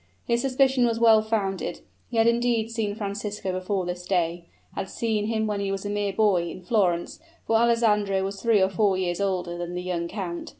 His suspicion was well founded; he had indeed seen Francisco before this day had seen him when he was a mere boy, in Florence, for Alessandro was three or four years older than the young count.